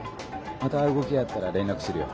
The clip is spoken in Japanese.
また動きあったら連絡するよ。